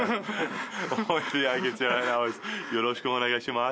よろしくお願いします。